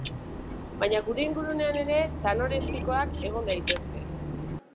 Baina gure ingurunean ere tanorexikoak egon daitezke.